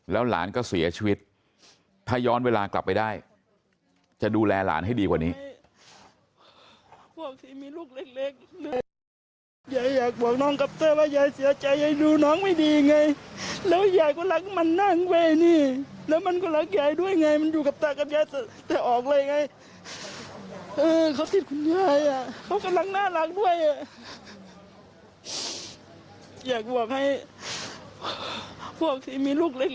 หลานก็เสียชีวิตถ้าย้อนเวลากลับไปได้จะดูแลหลานให้ดีกว่านี้